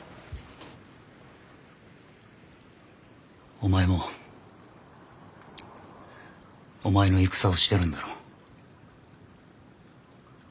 お前もお前の戦をしてるんだろう？